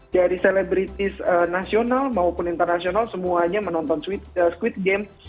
dari selebritis nasional maupun internasional semuanya menonton squid game